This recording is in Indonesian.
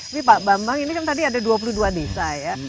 ini pak bambang ini kan tadi ada dua puluh dua desa ya